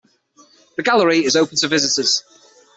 The gallery is open to visitors.